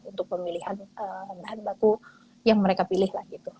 untuk pemilihan bahan baku yang mereka pilih lah gitu